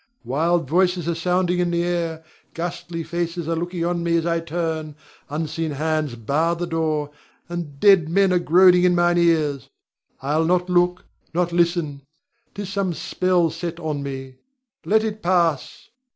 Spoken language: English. Wild voices are sounding in the air, ghastly faces are looking on me as I turn, unseen hands bar the door, and dead men are groaning in mine ears. I'll not look, not listen; 'tis some spell set on me. Let it pass!